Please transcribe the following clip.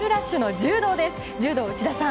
柔道、内田さん